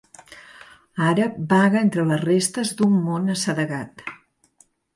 Ara vaga entre les restes d’un món assedegat.